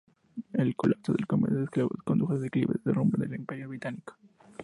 El colapso del comercio de esclavos condujo al declive y derrumbe del Imperio británico.